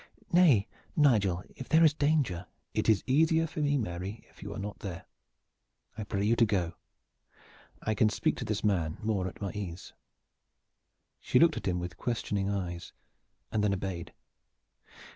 "Nay, Nigel, if there is danger " "It is easier for me, Mary, if you are not there. I pray you to go. I can speak to this man more at my ease." She looked at him with questioning eyes and then obeyed.